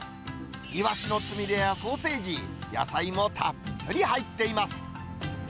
イワシのつみれやソーセージ、野菜もたっぷり入っています。